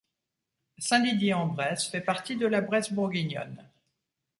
Saint-Didier-en-Bresse fait partie de la Bresse bourguignonne.